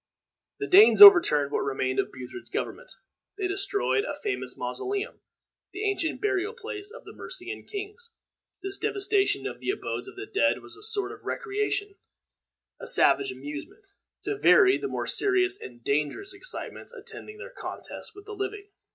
The Danes overturned what remained of Buthred's government. They destroyed a famous mausoleum, the ancient burial place of the Mercian kings. This devastation of the abodes of the dead was a sort of recreation a savage amusement, to vary the more serious and dangerous excitements attending their contests with the living.